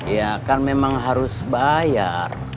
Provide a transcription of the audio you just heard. ya kan memang harus bayar